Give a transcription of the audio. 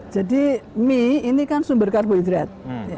jadi mie ini kan sumber karbohidrat